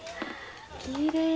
きれい。